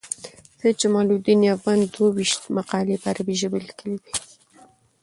سید جمال الدین افغان دوه ویشت مقالي په عربي ژبه لیکلي دي.